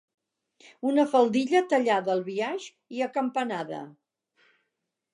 Una faldilla tallada al biaix i acampanada.